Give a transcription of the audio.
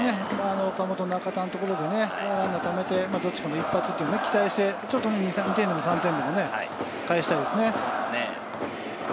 岡本、中田のところでランナーをためて、どっちかのヒットで２点でも３点でも返したいですね。